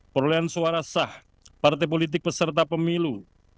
perolehan suara sah partai politik peserta pemilu